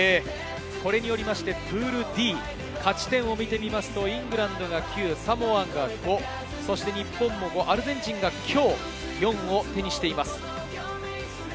これによってプールＤ、勝ち点を見てみるとイングランドが９、サモアが５、日本も５、アルゼンチンがきょう４を手にしています。